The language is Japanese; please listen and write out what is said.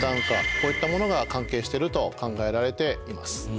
こういったものが関係してると考えられています。